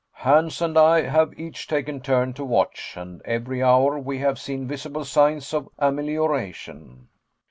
Hans and I have each taken turn to watch, and every hour we have seen visible signs of amelioration."